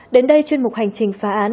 đến đây chuyên mục hành trình phá án